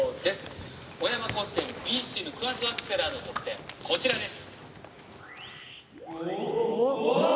小山高専Ｂチーム「クアッドアクセラー」の得点こちらです。